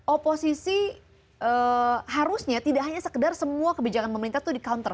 oposisi harusnya tidak hanya sekedar semua kebijakan pemerintah itu di counter